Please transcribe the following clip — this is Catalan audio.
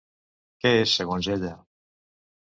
Què és segons ella?